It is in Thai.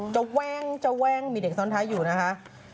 แว่งจะแว่งมีเด็กซ้อนท้ายอยู่นะคะ